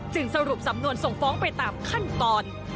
สรุปสำนวนส่งฟ้องไปตามขั้นตอน